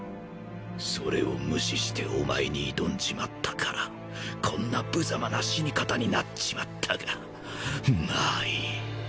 それを無視してお前に挑んじまったからこんなぶざまな死に方になっちまったがまあいい。